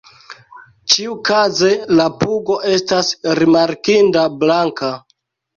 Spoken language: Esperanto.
Ĉiukaze la pugo estas rimarkinda blanka.